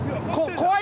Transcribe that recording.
怖い。